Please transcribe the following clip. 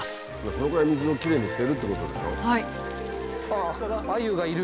そのくらい水をきれいにしてるってことでしょ。